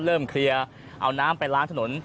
เริ่มเคลียร์เอาน้ำไปล้างถนน